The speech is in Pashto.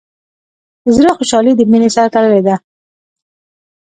د زړۀ خوشحالي د مینې سره تړلې ده.